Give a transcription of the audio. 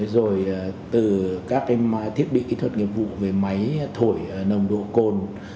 rồi từ các thiết bị kỹ thuật nghiệp vụ về máy thổi nồng độ cồn